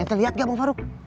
ente lihat gak bang faruk